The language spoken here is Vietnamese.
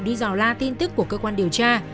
đi dò la tin tức của cơ quan điều tra